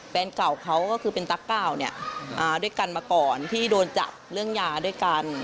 แฟนเก่าเขาก็คือเป็นตั๊กก้าเนี่ยด้วยกันมาก่อนที่โดนจับเรื่องยาด้วยกัน